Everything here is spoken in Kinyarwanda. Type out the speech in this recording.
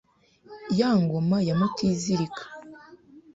Ya ngoma ya Mutizirika